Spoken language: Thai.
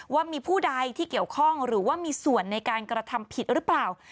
ว่ามีผู้ใดที่เกี่ยวข้องหรือว่ามีส่วนในการกระทำผิดหรือเปล่า